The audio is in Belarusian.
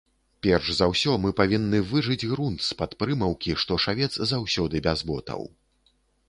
Перш за ўсё мы павінны выжыць грунт з-пад прымаўкі, што шавец заўсёды без ботаў.